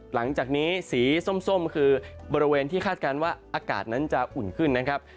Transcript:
หลังจากนี้สีส้มคือบริเวณที่คาดการณ์ว่าอากาศนั้นจะอุ่นขึ้นนะครับ